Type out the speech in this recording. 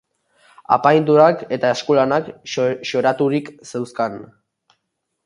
Apaindurak eta eskulanak xoraturik zeuzkan.